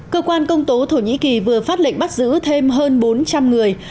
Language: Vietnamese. cơ quan công tố thổ nhĩ kỳ vừa phát lệnh bắt giữ thêm hơn bốn trăm linh người